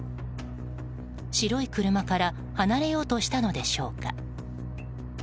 白い車から離れようとしたのでしょうか。